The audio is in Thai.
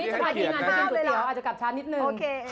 เดี๋ยวนี้จะมาที่งานกินสุดเดี๋ยวอาจจะกลับช้านนิดนึง